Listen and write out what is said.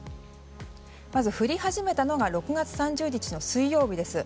まず、降り始めたのが６月３０日の水曜日です。